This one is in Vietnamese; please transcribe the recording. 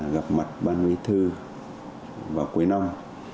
gặp mặt ban bí thư vào cuối năm